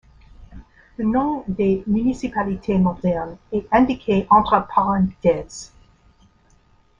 Le nom des municipalités modernes est indiqué entre parenthèses.